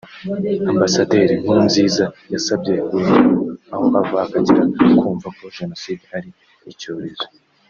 Ambasaderi Nkurunziza yasabye buri muntu aho ava akagera kumva ko Jenoside ari icyorezo